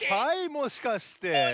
もしかして！